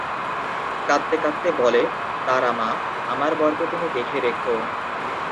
কাঁদতে কাঁদতে বলে " তারা মা, আমার বরকে তুমি দেখে রেখো।